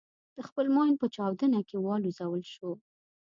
د خپل ماین په چاودنه کې والوزول شو.